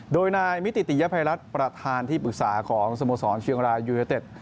โดยนายมิติติยภัยรัฐประธานที่ปรึกษาของสโมสรเชียงรายยูเนเต็ด